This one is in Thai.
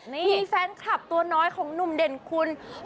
มีแฟนคลับตัวน้อยของหนุ่มเด่นคุณ